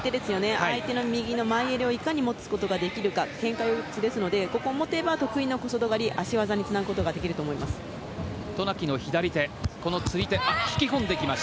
相手の右の前襟をいかに持つことができるかけんか四つですのでここで得意の小外刈り足技につなぐことができると思います。